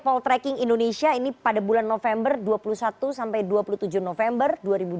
poltreking indonesia ini pada bulan november dua puluh satu sampai dua puluh tujuh november dua ribu dua puluh